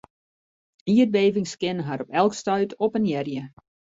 Ierdbevings kinne har op elk stuit oppenearje.